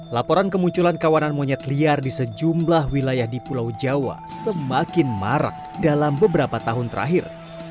laporan kemunculan kawanan monyet liar di sejumlah wilayah di pulau jawa semakin marak dalam beberapa tahun terakhir